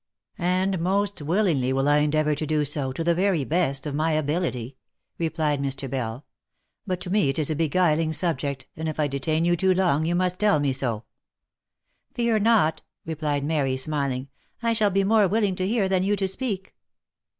" And most willingly will I endeavour to do so, to the very best of my ability," replied Mr. Bell. —" But to me it is a beguiling subject, and if I detain you too long, you must tell me so." " Fear not," replied Mary, smiling. " I shall be more willing to hear, than you to speak."